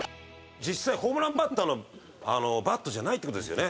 実際、ホームランバッターのバットじゃないって事ですよね？